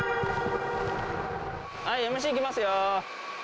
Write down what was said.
はい、ＭＣ来ますよ。